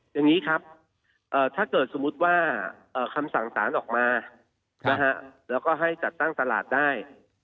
อย่างนี้ครับถ้าเกิดสมมุติว่าคำสั่งสารออกมาแล้วก็ให้จัดตั้งตลาดได้